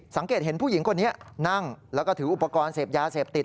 สังเกตเห็นผู้หญิงคนนี้นั่งแล้วก็ถืออุปกรณ์เสพยาเสพติด